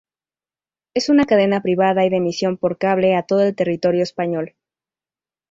Es una cadena privada y de emisión por cable a todo el territorio Español.